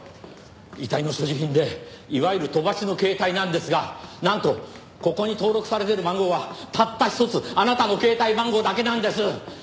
遺体の所持品でいわゆる飛ばしの携帯なんですがなんとここに登録されてる番号はたった一つあなたの携帯番号だけなんです。